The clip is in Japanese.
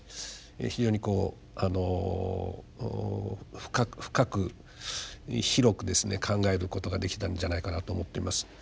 非常にこう深く広くですね考えることができたんじゃないかなと思っています。